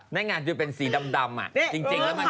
แน่งานดูเป็นสีดำอ่ะจริงแล้วมันเป็นแดง